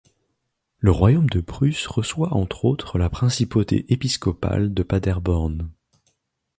Le royaume de Prusse reçoit entre autres la principauté épiscopale de Paderborn.